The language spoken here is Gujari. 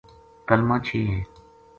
کلمہ چھہ ہیں،